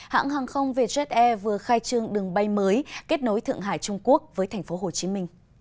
hãng hàng không vjt vừa khai trương đường bay mới kết nối thượng hải trung quốc với tp hcm